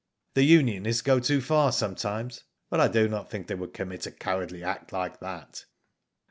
The unionists go too far sometimes, but I do not think they would commit a cowardly act like that."